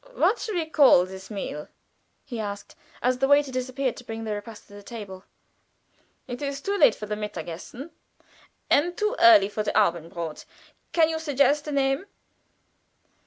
"What shall we call this meal?" he asked, as the waiter disappeared to bring the repast to the table. "It is too late for the Mittagessen, and too early for the Abendbrod. Can you suggest a name?"